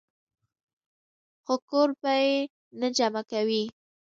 خو کور به ئې نۀ جمع کوئ -